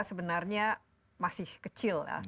sebenarnya masih kecil